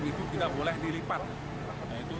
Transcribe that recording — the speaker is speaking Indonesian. itu tidak boleh dilipat